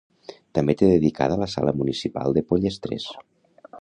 Té també dedicada la sala municipal de Pollestres.